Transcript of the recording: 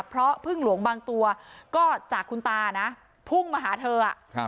เพราะพึ่งหลวงบางตัวก็จากคุณตานะพุ่งมาหาเธอ